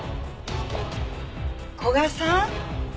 古雅さん？